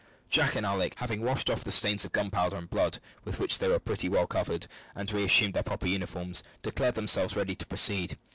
Jack and Alick, having washed off the stains of gunpowder and blood with which they were pretty well covered, and reassumed their proper uniforms, declared themselves ready to proceed.